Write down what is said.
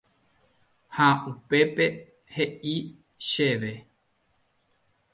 ha upépe he'i chéve